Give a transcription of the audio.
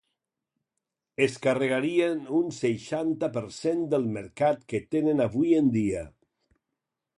Es carregarien un seixanta per cent del mercat que tenen avui en dia.